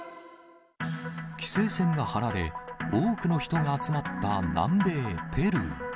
規制線が張られ、多くの人が集まった南米ペルー。